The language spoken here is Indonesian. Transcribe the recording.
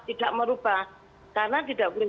tidak merubah karena tidak boleh